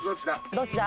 どっちだ？